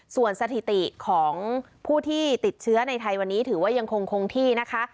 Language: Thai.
ส่วนสถิติของผู้ที่ติดเชื้อในไทยวันนี้ถือว่ายังคงคงที่นะคะ